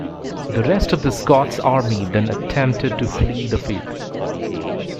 The rest of the Scots army then attempted to flee the field.